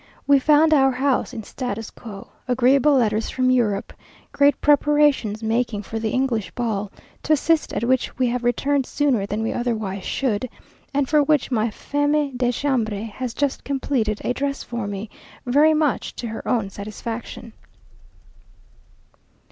We found our house in statu quo, agreeable letters from Europe, great preparations making for the English ball, to assist at which we have returned sooner than we otherwise should, and for which my femme de chambre has just completed a dress for me, very much to her own satisfaction.